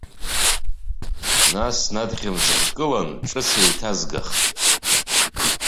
Нас снадхьымӡӷкылан, ҿыц еиҭазгахт.